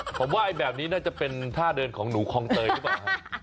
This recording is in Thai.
ผมว่าแบบนี้น่าจะเป็นท่าเดินของหนูคลองเตยหรือเปล่าครับ